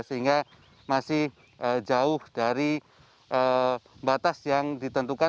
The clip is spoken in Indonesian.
sehingga masih jauh dari batas yang ditentukan